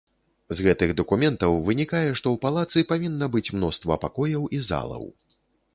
З гэтых дакументаў вынікае, што ў палацы павінна быць мноства пакояў і залаў.